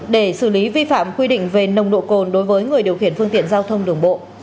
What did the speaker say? để xử lý vi phạm quy định về nồng độ cồn đối với người điều khiển phương tiện giao thông đường bộ